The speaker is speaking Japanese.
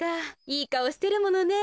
いいかおしてるものね。